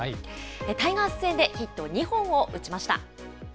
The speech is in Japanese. タイガース戦でヒット２本を打ちました。